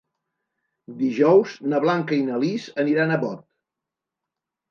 Dijous na Blanca i na Lis aniran a Bot.